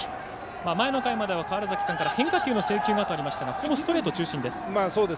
前の回までは川原崎さんから変化球の制球がというお話がありましたがストレート中心です。